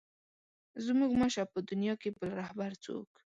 زموږ مه شه په دنیا کې بل رهبر څوک.